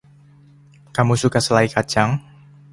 Kamu suka selai kacang?